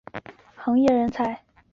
为集团培养自己的行业人才。